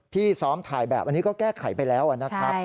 พี่ซ้อมถ่ายแบบอันนี้ก็แก้ไขไปแล้วนะครับ